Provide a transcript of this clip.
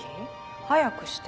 早くして。